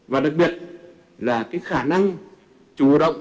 và đặc biệt là khả năng chủ động